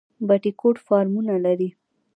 بټي کوټ فارمونه لري؟